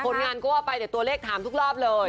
งานก็ว่าไปแต่ตัวเลขถามทุกรอบเลย